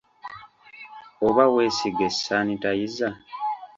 Oba weesiige sanitayiza.